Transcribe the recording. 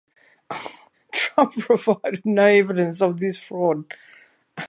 Trump provided no evidence of this fraud.